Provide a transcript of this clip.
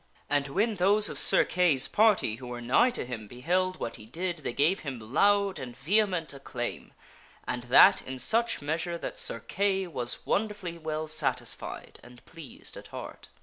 And when those of Sir Kay's party who were nigh to him beheld what he did, they gave him loud and vehement acclaim, and that in such meas ure that Sir Kay was wonderfully well satisfied and pleased at heart.